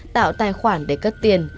tạo tài khoản để cất tiền